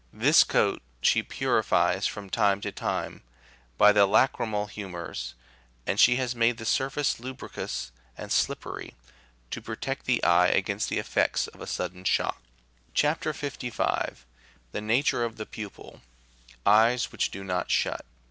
This coat she purifies from time to time by the lachrymal humours, and she has made the surface lubricous and slippery, to protect the eye against the effects of a sudden shock. CHAP. 55. THE NATUKE OF THE PUPIL EYES WHICH DO NOT SHUT.